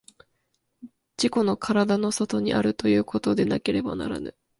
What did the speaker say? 自己の身体の外にあるということでなければならぬ。